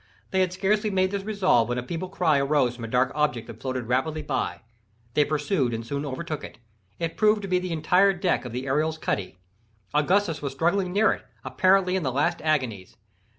They had scarcely made this resolve when a feeble cry arose from a dark object that floated rapidly by. They pursued and soon overtook it. It proved to be the entire deck of the Ariel's cuddy. Augustus was struggling near it, apparently in the last agonies.